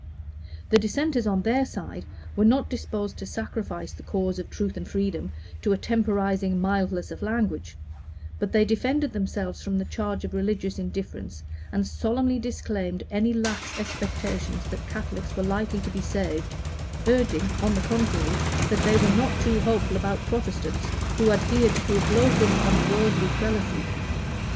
The Dissenters, on their side, were not disposed to sacrifice the cause of truth and freedom to a temporizing mildness of language; but they defended themselves from the charge of religious indifference, and solemnly disclaimed any lax expectations that Catholics were likely to be saved urging, on the contrary, that they were not too hopeful about Protestants who adhered to a bloated and worldly Prelacy.